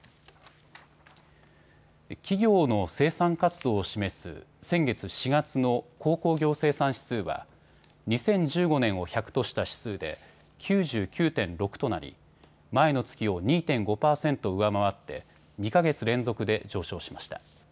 企業の生産活動を示す先月４月の鉱工業生産指数は２０１５年を１００とした指数で９９．６となり前の月を２．５％上回って２か月連続で上昇しました。